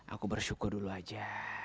aku bersyukur dulu aja